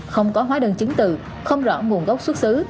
không có hóa đơn chứng từ không rõ nguồn gốc xuất xứ